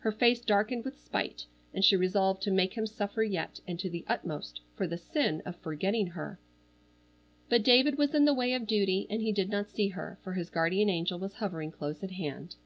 Her face darkened with spite, and she resolved to make him suffer yet, and to the utmost, for the sin of forgetting her. But David was in the way of duty, and he did not see her, for his guardian angel was hovering close at hand.